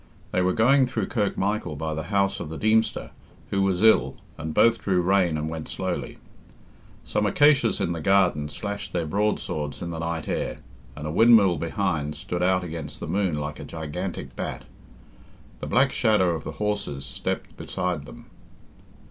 They were going through Kirk Michael by the house of the Deemster, who was ill, and both drew rein and went slowly. Some acacias in the garden slashed their broadswords in the night air, and a windmill behind stood out against the moon like a gigantic bat. The black shadow of the horses stepped beside them.